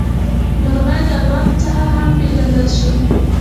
مرغۍ د الوت څخه هم پېژندلی شو.